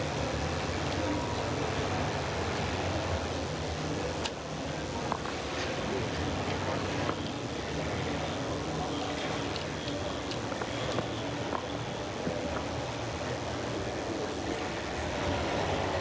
การทำชีวิตใช้ชีวิต